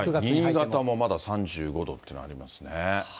新潟もまだ３５度っていうのがありますね。